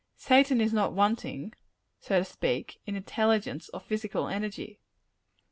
Satan is not wanting so to speak in intelligence or physical energy.